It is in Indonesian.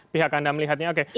pihak anda melihatnya oke